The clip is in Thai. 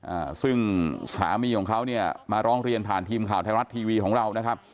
อ่าซึ่งสามีของเขาเนี่ยมาร้องเรียนผ่านทีมข่าวไทยรัฐทีวีของเรานะครับ